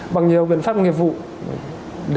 bằng nhiều biện pháp nghiệp vận chuyển ma túy